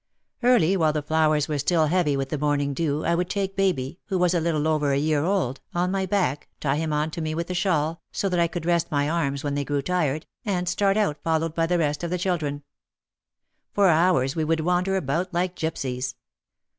Early, while the flowers were still heavy with the morning dew, I would take baby, who was a little over a year old, on my back, tie him on to me with a shawl, so that I could rest my arms when they grew tired, and start out followed by the rest of the children. For hours we would wander about like gipsies.